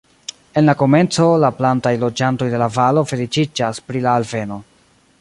En la komenco, la plantaj loĝantoj de la valo feliĉiĝas pri la alveno.